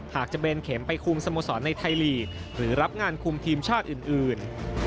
หากจะเบนเข็มไปคุมสโมสรในไทยลีกหรือรับงานคุมทีมชาติอื่น